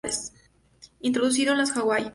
Introducido en las Hawaii.